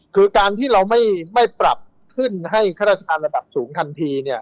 คือการที่เราไม่ปรับขึ้นให้ข้าราชการระดับสูงทันทีเนี่ย